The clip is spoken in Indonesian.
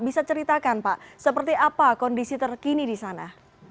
bisa ceritakan pak seperti apa kondisi terkini di sana